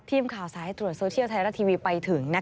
ทีมข่าวสายตรวจโซเชียลไทยรัฐทีวีไปถึง